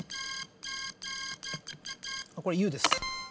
これ「ｕ」です。